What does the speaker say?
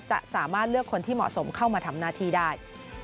จะสามารถเลือกคนที่เหมาะสมเข้ามาทำหน้าที่ได้